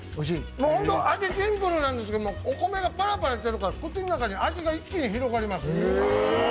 もう、ホントに味がシンプルなんですけど、お米がパラパラしているから口ん中に味が一気に広がります。